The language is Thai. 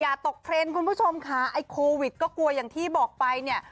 ตกเทรนด์คุณผู้ชมค่ะไอ้โควิดก็กลัวอย่างที่บอกไปเนี่ย